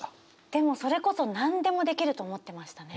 でもそれこそ何でもできると思ってましたね。